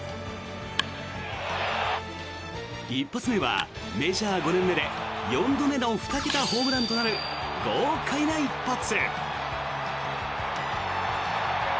１発目はメジャー５年目で４度目の２桁ホームランとなる豪快な一発。